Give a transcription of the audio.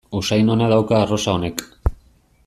Usain ona dauka arrosa honek.